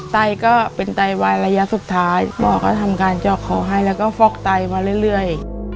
ไตก็เป็นไตวายระยะสุดท้ายหมอก็ทำการเจาะคอให้แล้วก็ฟอกไตมาเรื่อย